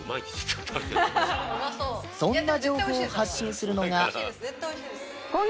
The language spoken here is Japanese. そんな情報を発信するのが